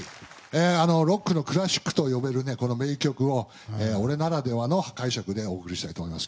ロックのクラシックと呼べるこの名曲を俺ならではの解釈でお送りしたいと思います。